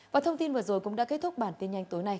và thông tin vừa rồi cũng đã kết thúc bản tin nhanh tối nay